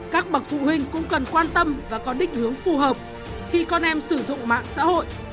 các bạn cũng cần quan tâm và có đích hướng phù hợp khi con em sử dụng mạng xã hội